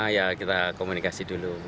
ya kita komunikasi dulu